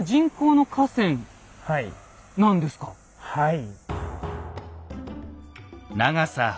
はい。